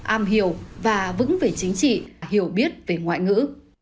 am hiểu và vững về chính trị hiểu biết về ngoại ngữ